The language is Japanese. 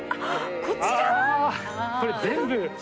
こちら？